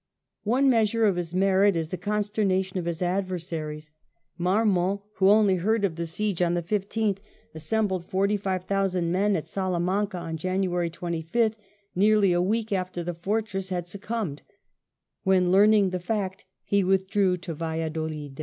One measure of his merit is the consternation of his adversaries. Marmont, who only heard of the siege on the 15th, assembled forty five thousand men at Salamanca on January 25th, nearly a week after the fortress had succumbed, when learning the fact, he withdrew to Valla dolid.